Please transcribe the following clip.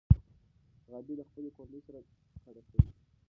غابي له خپلې کورنۍ سره کډه شوې وه.